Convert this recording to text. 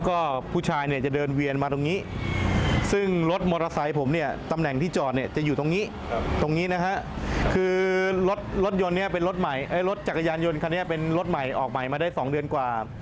คือรถยนต์นี้เป็นรถใหม่รถจักรยานยนต์คันนี้เป็นรถใหม่ออกใหม่มาได้สองเดือนกว่า